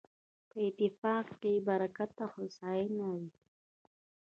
په اتفاق کې برکت او هوساينه وي